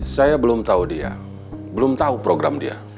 saya belum tahu dia belum tahu program dia